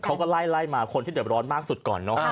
เขาก็ไล่ไล่มาคนที่เดือบร้อนมากสุดก่อนเนอะ